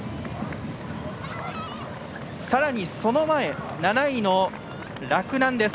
さらにその前、７位の洛南です。